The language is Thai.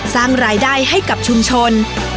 สร้างรายได้ให้กับชุมชน